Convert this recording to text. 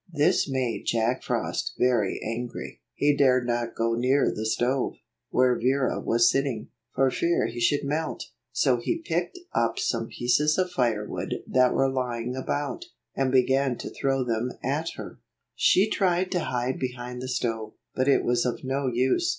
This made Jack Frost very angry. He dared not go near the stove, where Vera was sitting, for fear he should melt. So he picked up some pieces of firewood that were lying about, and began to throw them at her. 34 She tried to hide behind the stove, but it was of no use.